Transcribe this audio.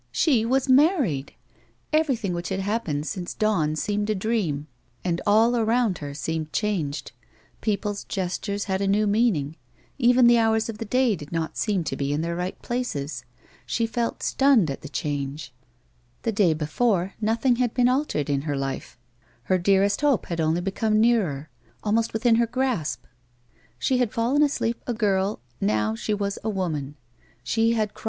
She was married 1 Everything which had happened since dawn seemed a dream, and all around her seemed changed ; people's gestures had a new meaning; even the hours of the day did not seem to be in their right places. She felt stunned at the change. The day before nothing had been altered in her life : iier dearest hope had only become nearer — almost within her grasp. She had fallen asleep a girl, now she was a woman. She had cros.